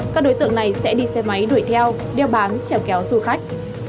các đối tượng này sẽ đi xe máy đuổi theo đeo bán treo kéo du khách